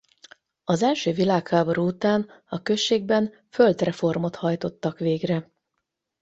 Az első világháború után a községben földreformot hajtottak végre.